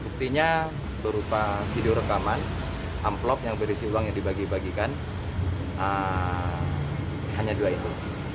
buktinya berupa video rekaman amplop yang berisi uang yang dibagi bagikan hanya dua itu